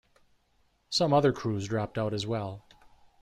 Some other crews dropped out as well.